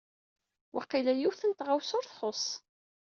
Waqila yiwet n tɣawsa ur txuṣṣ.